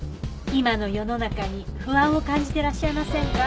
今の世の中に不安を感じてらっしゃいませんか？